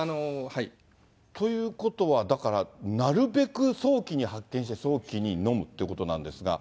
ということは、だからなるべく早期に発見して、早期に飲むってことなんですが。